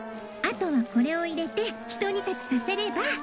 あとはこれを入れてひと煮立ちさせれば。